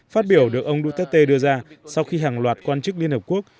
phát biểu được ông duterte đưa ra sau khi hàng loạt quan chức liên hợp quốc